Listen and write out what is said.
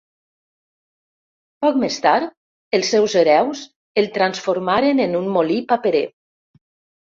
Poc més tard, els seus hereus el transformaren en un molí paperer.